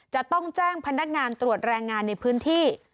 จะต้องแจ้งพนักงานตรวจแรงงานในพื้นที่